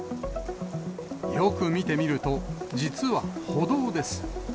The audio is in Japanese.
よく見てみると、実は歩道です。